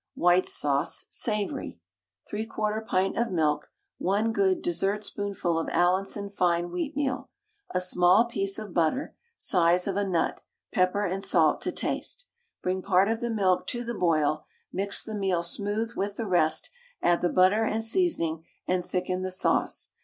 WHITE SAUCE (SAVOURY). 3/4 pint of milk, 1 good dessertspoonful of Allinson fine wheatmeal, a small piece of butter, size of a nut, pepper and salt to taste. Bring part of the milk to the boil, mix the meal smooth with the rest, add the butter and seasoning, and thicken the sauce.